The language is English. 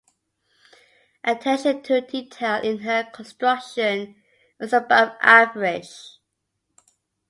Attention to detail in her construction is above average.